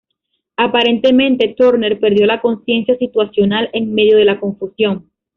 Aparentemente Turner perdió la conciencia situacional en medio de la confusión.